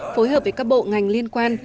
phối hợp với các bộ ngành liên quan